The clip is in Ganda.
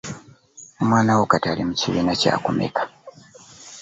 Omwana wo kati ali mukibiina kyakumeka?